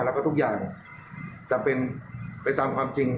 แล้วก็ทุกอย่างจะเป็นไปตามความจริง